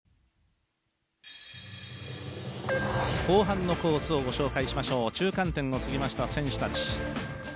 後半のコースをご紹介しましょう中間点を過ぎました選手たち。